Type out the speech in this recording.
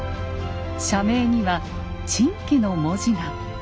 社名には「珍奇」の文字が。